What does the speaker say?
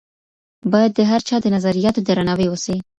بايد د هر چا د نظرياتو درناوی وسي.